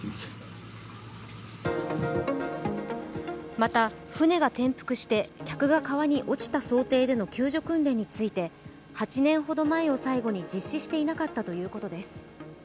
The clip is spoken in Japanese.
また船が転覆して客が川に落ちた想定での救助訓練について８年ほど前を最後に実施していなかったということです。